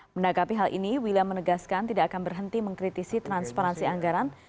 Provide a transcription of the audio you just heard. menanggapi hal ini william menegaskan tidak akan berhenti mengkritisi transparansi anggaran